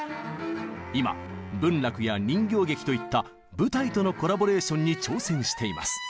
今文楽や人形劇といった舞台とのコラボレーションに挑戦しています。